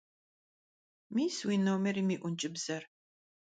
Mis vui nomêrım yi 'unç'ıbzer.